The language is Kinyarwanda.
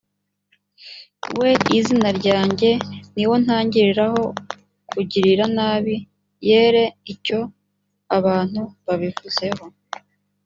we izina ryanjye ni wo ntangiriraho kugirira nabi yere icyo abantu babivuzeho